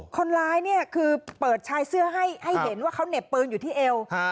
คนร้ายเนี่ยคือเปิดชายเสื้อให้เห็นว่าเขาเหน็บปืนอยู่ที่เอว